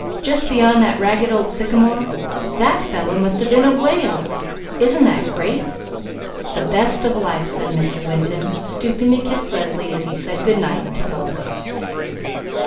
Just beyond that ragged old sycamore! That fellow must have been a whale. Isn't this great?" "The best of life," said Mr. Winton, stooping to kiss Leslie as he said good night to both.